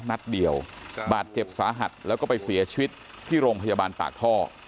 นัดเดียวบาดเจ็บสาหัสแล้วก็ไปเสียชีวิตที่โรงพยาบาลปากท่อ